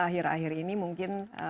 akhir akhir ini mungkin